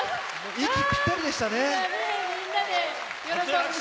息ぴったりでしたね。